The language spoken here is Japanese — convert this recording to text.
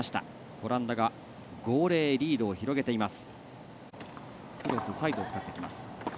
オランダが５−０でリードを広げています。